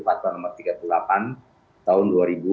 fatwa nomor tiga puluh delapan tahun dua ribu dua puluh